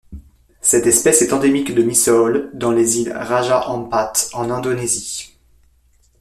Cette espèce est endémique de Misool dans les îles Raja Ampat en Indonésie.